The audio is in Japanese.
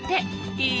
いい！